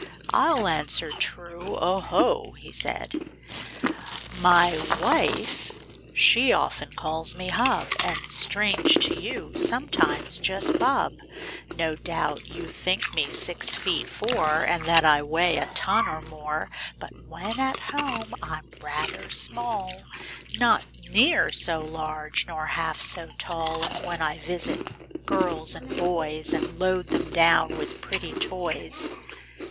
I'll answer true, 0 ho !" he said. Copyrighted, 1897. Y wife, she often calls me hub, ^ And, strange to you, sometimes just bub, No doubt you think me six feet, four, And that I weigh a ton or more, But when at home I'm rather small, Not near so large nor half so tall As when I visit girls and boys And load them down with pretty toys."